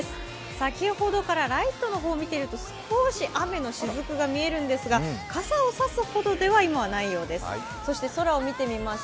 先ほどからライトの方を見ていると少し雨のしずくが見えるんですが傘を差すほどでは今はないようです。